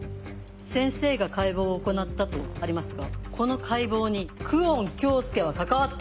先生が解剖を行ったとありますがこの解剖に久遠京介は関わって。